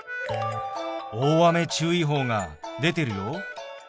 大雨注意報が出てるよ。